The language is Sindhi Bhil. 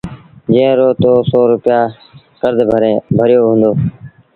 جݩهݩ رو تو سو روپيآ ڪرز ڀريو هُݩدو